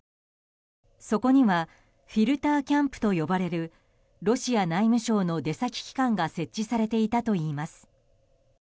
そこにはフィルターキャンプと呼ばれるロシア内務省の出先機関が設置されていたといいます。